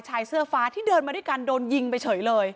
ชายเสื้อฟ้าที่เดินมาด้วยกันโดนยิงไปเฉยเลย